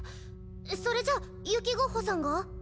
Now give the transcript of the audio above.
それじゃユキゴッホさんが？